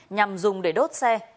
nhằm dùng để đốt xe